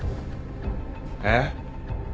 えっ？